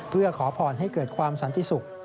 เพื่อขอพรให้เกิดความสันติสุข